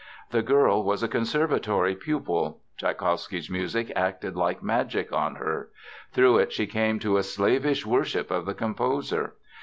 The girl was a conservatory pupil. Tschaikowsky's music acted like magic on her. Through it she came to a slavish worship of the composer.